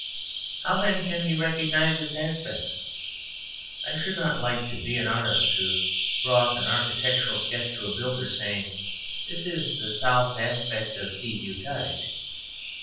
How, then, can he recognize its aspects? I should not like to be an artist who brought an architectural sketch to a builder, saying, "This is the south aspect of Sea View Cottage.